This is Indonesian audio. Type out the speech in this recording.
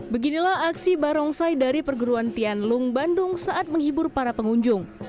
beginilah aksi barongsai dari perguruan tianlung bandung saat menghibur para pengunjung